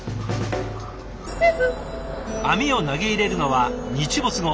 網を投げ入れるのは日没後。